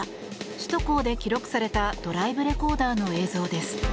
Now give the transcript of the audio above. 首都高で記録されたドライブレコーダーの映像です。